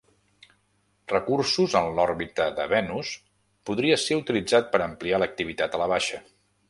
Recursos en l'òrbita de Venus podria ser utilitzat per ampliar l'activitat a la baixa.